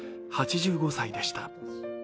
８５歳でした。